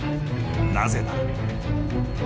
なぜなら］